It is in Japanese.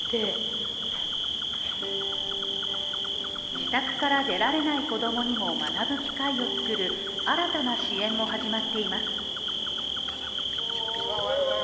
自宅から出られない子どもにも学ぶ機会を作る新たな支援も始まっています。